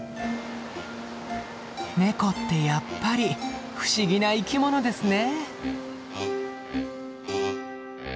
ネコってやっぱり不思議な生き物ですね。